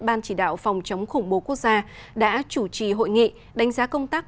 ban chỉ đạo phòng chống khủng bố quốc gia đã chủ trì hội nghị đánh giá công tác